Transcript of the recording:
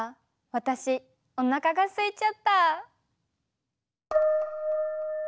私おなかがすいちゃった。